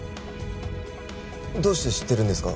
どうして知ってるんですか？